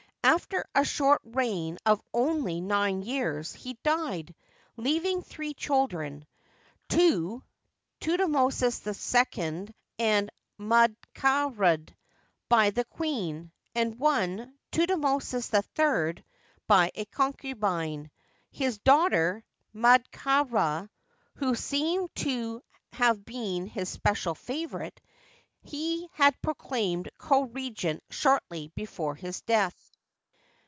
After a short reign of only nine years he died, leaving three children, two, Thutmosis II and Md Jia Rd, by the queen, and one, Thutmosis III, by a concubine. His daughter, Md ka Rd, who seems to have been his special favorite, he had proclaimed co regent shortly before his death.